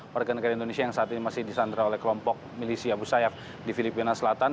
warga negara indonesia yang saat ini masih disandra oleh kelompok milisi abu sayyaf di filipina selatan